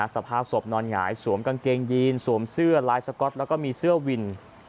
สภาพศพนอนหงายสวมกางเกงยีนสวมเสื้อลายสก๊อตแล้วก็มีเสื้อวิน